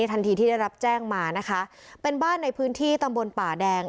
ทันทีที่ได้รับแจ้งมานะคะเป็นบ้านในพื้นที่ตำบลป่าแดง